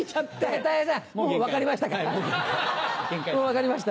もう分かりました